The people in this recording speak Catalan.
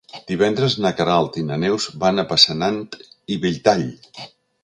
Divendres na Queralt i na Neus van a Passanant i Belltall.